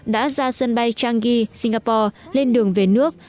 đã ra sân bay changi singapore lên đường về nước